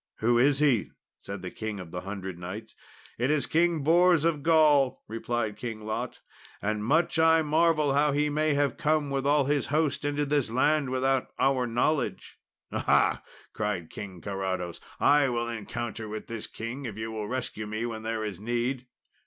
"Who is he?" said the King of the Hundred Knights. "It is King Bors of Gaul," replied King Lot, "and much I marvel how he may have come with all his host into this land without our knowledge." "Aha!" cried King Carados, "I will encounter with this king if ye will rescue me when there is need."